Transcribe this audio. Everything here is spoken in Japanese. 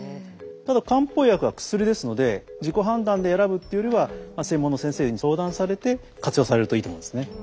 ただ漢方薬は薬ですので自己判断で選ぶっていうよりは専門の先生に相談されて活用されるといいと思うんですね。